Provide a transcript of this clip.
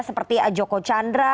seperti joko chandra